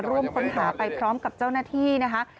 ร่วมค้นหาไปพร้อมกับเจ้าหน้าที่นะคะ